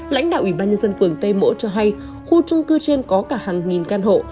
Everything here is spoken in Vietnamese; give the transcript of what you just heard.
lãnh đạo ủy ban nhân dân phường tây mỗ cho hay khu trung cư trên có cả hàng nghìn căn hộ